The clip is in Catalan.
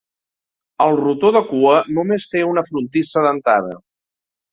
El rotor de cua només té una frontissa dentada.